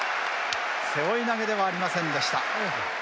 背負い投げではありませんでした。